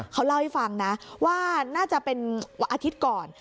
เขาเล่าให้ฟังนะว่าน่าจะเป็นวันอาทิตย์ก่อน